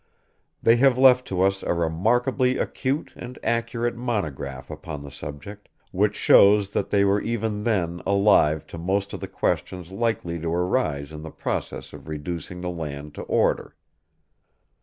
They have left to us a remarkably acute and accurate monograph upon the subject, which shows that they were even then alive to most of the questions likely to arise in the process of reducing the land to order.